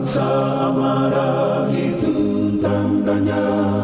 bangsa marah itu tandanya